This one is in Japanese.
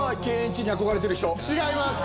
違います。